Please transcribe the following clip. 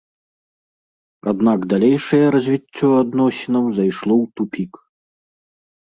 Аднак далейшае развіццё адносінаў зайшло ў тупік.